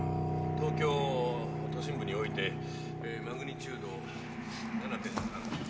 東京都心部においてマグニチュード７．３」。